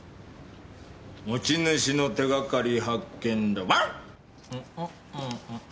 持ち主の手がかり発見だワン！